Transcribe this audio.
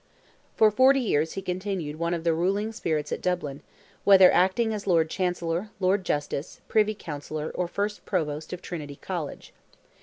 For forty years he continued one of the ruling spirits at Dublin, whether acting as Lord Chancellor, Lord Justice, Privy Councillor, or First Provost of Trinity College.